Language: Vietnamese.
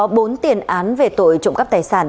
mặc dù đã có bốn tiền án về tội trộm cắp tài sản